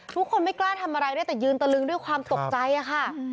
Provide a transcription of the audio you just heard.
ทุกคนไม่กล้าทำอะไรได้แต่ยืนตะลึงด้วยความตกใจค่ะ